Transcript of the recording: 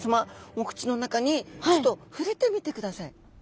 お口の中にちょっと触れてみてください。